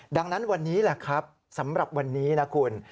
ดังนั้นวันนี้แหละครับสำหรับวันนี้นะคุณ